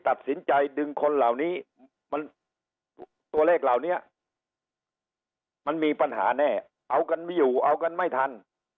ตัวเลขเหล่านี้มันมีปัญหาแน่เอากันไม่อยู่เอากันไม่ทัน